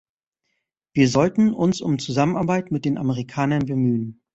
Wir sollten uns um Zusammenarbeit mit den Amerikanern bemühen.